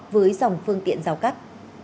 với dòng phương tiện giao cắt